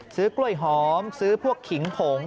ซื้อกล้วยหอมซื้อพวกขิงผง